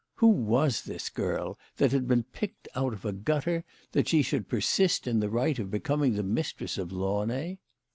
"Who was this girl, that had been picked out of a gutter, that she should persist in the right of becoming the mistress of Launay